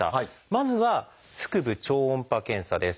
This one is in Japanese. まずは「腹部超音波検査」です。